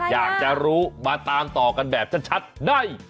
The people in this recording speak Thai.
อยากจะรู้มาตามต่อกันแบบชัดได้